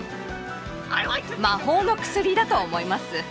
魔法の薬だと思います。